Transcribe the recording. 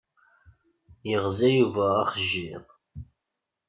Yeɣza Yuba axjiḍ.